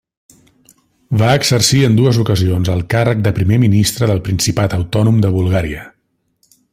Va exercir en dues ocasions el càrrec de primer ministre del Principat autònom de Bulgària.